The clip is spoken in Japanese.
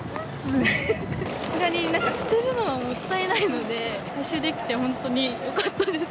さすがに捨てるのはもったいないので、回収できて本当によかったです。